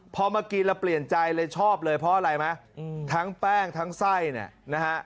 พอมากินแล้วเปลี่ยนใจเลยชอบเลยเพราะอะไรไหมทั้งแป้งทั้งไส้เนี่ยนะฮะ